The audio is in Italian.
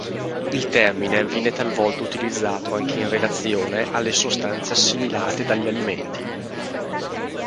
Il termine viene talvolta utilizzato anche in relazione alle sostanze assimilate dagli alimenti.